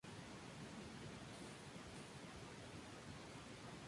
Sus padres fueron Agustín Febres Cordero Tyler y María Rivadeneira Aguirre.